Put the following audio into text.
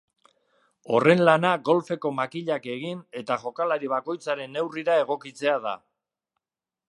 Horren lana golfeko makilak egin eta jokalari bakoitzaren neurrira egokitzea da.